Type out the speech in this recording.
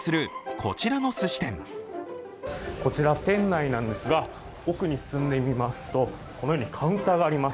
こちら店内なんですが、奥に進んでみますとこのようにカウンターがあります。